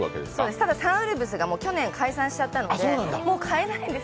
ただ、サンウルブスが去年解散してしまったのでもう買えないんです。